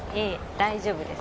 大丈夫です